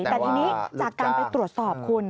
แต่ทีนี้จากการไปตรวจสอบคุณ